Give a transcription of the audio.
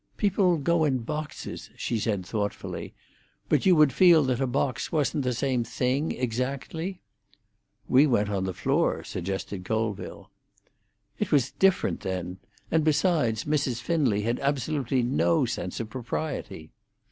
"People go in boxes," she said thoughtfully; "but you would feel that a box wasn't the same thing exactly?" "We went on the floor," suggested Colville. "It was very different then. And, besides, Mrs. Finlay had absolutely no sense of propriety."